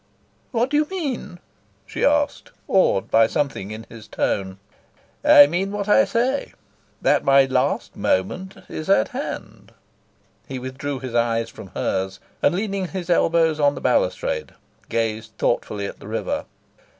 "What do you mean?" she asked, awed by something in his tone. "I mean what I say: that my last moment is at hand." He withdrew his eyes from hers, and, leaning his elbows on the balustrade, gazed thoughtfully at the river.